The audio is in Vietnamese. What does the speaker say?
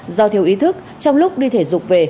do thiếu ý thức trong lúc đi thể dục về